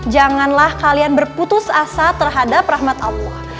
janganlah kalian berputus asa terhadap rahmat allah